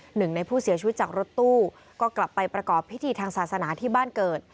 หนึ่งในผู้เสียชีวิตจากรถตู้ก็กลับไปประกอบพิธีทางศาสนาที่บ้านเกิด